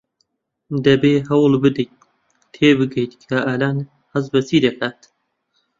دەبێت هەوڵ بدەیت تێبگەیت کە ئالان هەست بە چی دەکات.